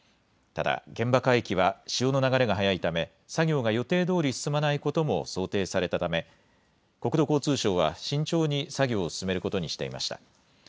ただ現場海域は潮の流れが速いため作業が予定どおり進まないことも想定されたため国土交通省は慎重に作業を進めることにしていました。